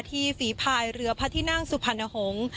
ฝีภายเรือพระที่นั่งสุพรรณหงษ์